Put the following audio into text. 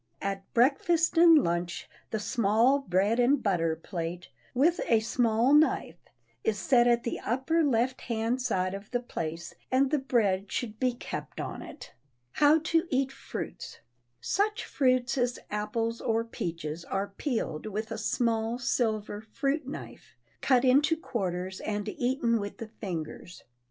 At breakfast and luncheon the small bread and butter plate, with a small knife, is set at the upper left hand side of the place and the bread should be kept on it. [Sidenote: HOW TO EAT FRUITS] Such fruits as apples or peaches are peeled with a small silver fruit knife, cut into quarters and eaten with the fingers.